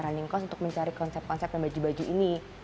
running cost untuk mencari konsep konsep dan baju baju ini